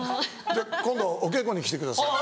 今度お稽古に来てください。